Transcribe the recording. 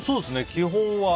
基本は。